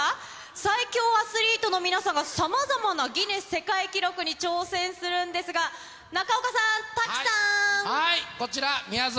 最強アスリートの皆さんがさまざまなギネス世界記録に挑戦するんこちら、みやぞ